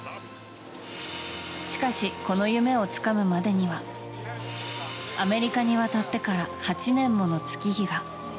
しかし、この夢をつかむまでにはアメリカに渡ってから８年もの月日が。